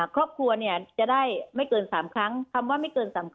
ครอบครัวเนี่ยจะได้ไม่เกิน๓ครั้งคำว่าไม่เกิน๓ครั้ง